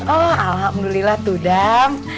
oh alhamdulillah tudam